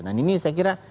nah ini saya kira